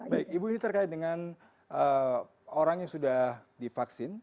baik ibu ini terkait dengan orang yang sudah divaksin